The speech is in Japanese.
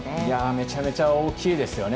めちゃめちゃ大きいですよね。